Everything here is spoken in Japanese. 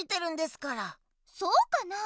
そうかなあ。